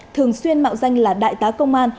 thường xuyên mạo danh là đại tá công an